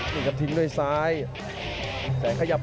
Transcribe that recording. ยกนิ้วให้ครับ